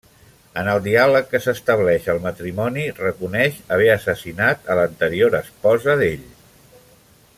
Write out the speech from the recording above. En el diàleg que s'estableix el matrimoni reconeix haver assassinat a l'anterior esposa d'ell.